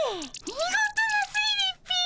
見事な推理っピ！